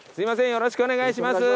よろしくお願いします